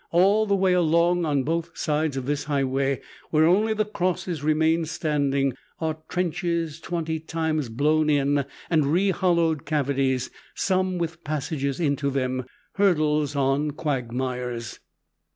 All the way along, on both sides of this highway where only the crosses remain standing, are trenches twenty times blown in and re hollowed, cavities some with passages into them hurdles on quagmires.